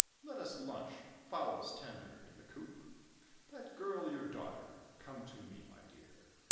let us lunch fowls tender in the coop? That girl your daughter? come to me, my dear!